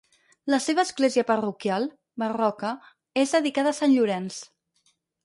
La seva església parroquial, barroca, és dedicada a Sant Llorenç.